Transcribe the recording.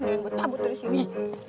biarin gue tabut terus yuk